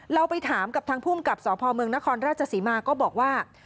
เราไปถามกับทางภูมิกับสพเมืองนครราชศรีมาก็บอกว่า